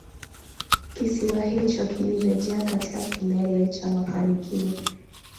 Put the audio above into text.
Kisiwa hicho kilirejea katika kilele cha mafanikio